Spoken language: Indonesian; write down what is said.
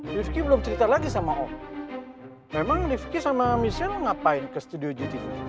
rifki belum cerita lagi sama om memang rifki sama michelle ngapain ke studio jitu